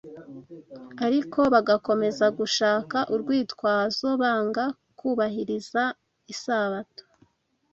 ariko bagakomeza gushaka urwitwazo banga kubahiriza Isabato